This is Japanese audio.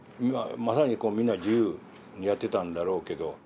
まさにこうみんな自由にやってたんだろうけど。